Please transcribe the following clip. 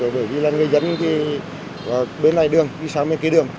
bởi vì là người dân thì bên ngoài đường đi sang bên kia đường